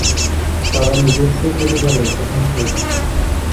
তারা নিজস্ব পরিবারের প্রধান হয়ে থাকেন।